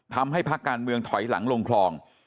ทำให้ภาคการเมืองถอยหลังลงคลอง